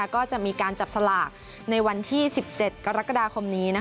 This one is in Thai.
ก็จะมีการจับสลากในวันที่๑๗กรกฎาคมนี้